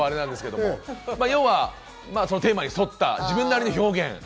テーマに沿った自分なりの表現。